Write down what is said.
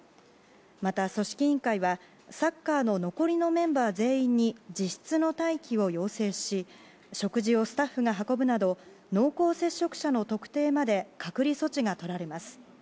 また、組織委員会はサッカーの残りのメンバー全員に自室の待機を要請し食事をスタッフが運ぶなど濃厚接触者の特定まで隔離措置がとられます。